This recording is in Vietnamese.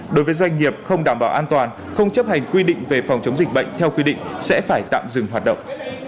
đối với doanh nghiệp không đảm bảo an toàn không chấp hành quy định về phòng chống dịch bệnh theo quy định sẽ phải tạm dừng hoạt động